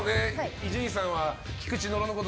伊集院さんはそう。